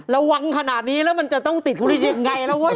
รวังขนาดนี้แล้วมันจะต้องติดปริทรีย์อย่างไรล่ะเว้ย